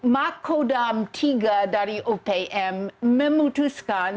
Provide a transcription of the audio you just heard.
makodam tiga dari opm memutuskan